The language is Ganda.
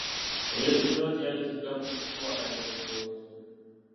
Eyeesimbyewo teyayitiddwa mu kukubaganya ebirowoozo.